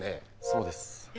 そうです。